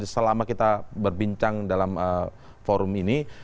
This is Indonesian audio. selama kita berbincang dalam forum ini